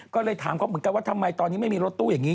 ก็เลยถามเขาเหมือนกันว่าทำไมตอนนี้ไม่มีรถตู้อย่างนี้